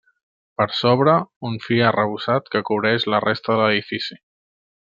Per sobre, un fi arrebossat que cobreix la resta d'edifici.